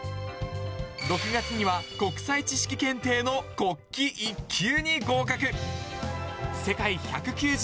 ６月には国際知識検定の国旗１級に合格。